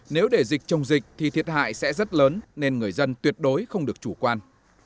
nếu để dịch chống dịch thì thiệt hại sẽ rất lớn nên người dân tuyệt đối không được chủ quan